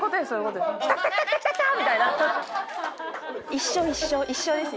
一緒一緒一緒です。